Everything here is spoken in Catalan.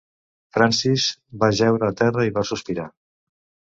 Francis va jeure a terra i va sospirar.